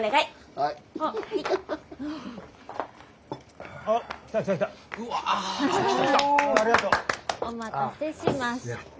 お待たせしました。